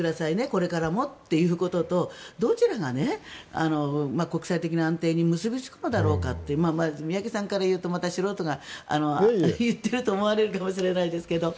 これからもということとどちらが国際的な安定に結びつくのだろうかと宮家さんから言うとまた素人が言っていると思われるかもしれないですが。